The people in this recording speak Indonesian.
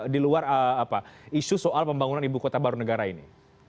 di luar isu soal pembangunan ibu kota baru negara ini